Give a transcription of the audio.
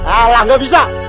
alah gak bisa